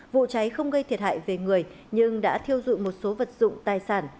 vụ cháy không gây thiệt hại về người nhưng đã thiêu dụi một số vật dụng tài sản